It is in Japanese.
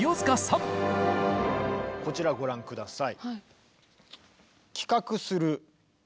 こちらご覧下さい。